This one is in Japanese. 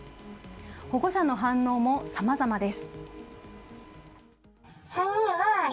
保護者の反応もさまざまです。